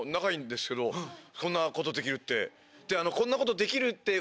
そんなことできるって。